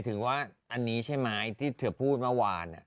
ถือว่าอันนี้ใช่ไหมที่เธอพูดเมื่อวาน